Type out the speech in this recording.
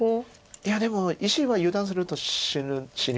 いやでも石は油断すると死にます。